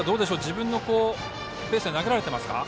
自分のペースで投げられていますか？